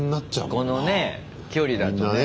このね距離だとね。